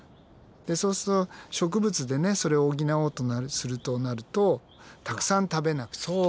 でそうすると植物でねそれを補おうとするとなるとたくさん食べなくちゃいけない。